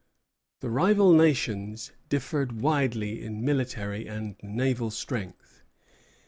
The rival nations differed widely in military and naval strength.